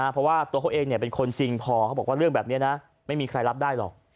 เพราะว่าตัวเขาเองเป็นคนจริงพอเขาบอกว่าเรื่องแบบนี้นะไม่มีใครรับได้หรอก